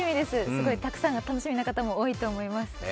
たくさん、楽しみな方も多いと思います。